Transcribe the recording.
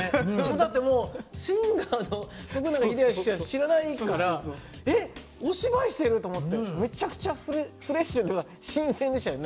だってもうシンガーの永明しか知らえっお芝居してると思ってめちゃくちゃフレッシュというか新鮮でしたよね。